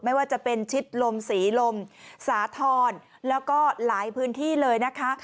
ไม่ว่าจะเป็นชิดลมศรีลมสาธรณ์แล้วก็หลายพื้นที่เลยนะคะ